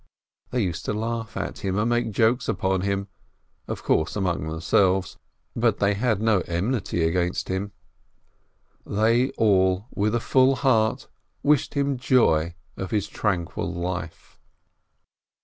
They used to laugh at him, to make jokes upon him, of course among themselves; but they had no enmity against him. They all, with a full heart, wished him joy of his tranquil life.